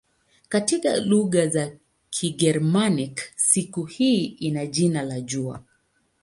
Katika lugha za Kigermanik siku hii ina jina la "jua".